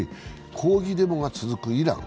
抗議デモが続くイラン。